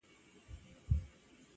د ساحل روڼو اوبو کي!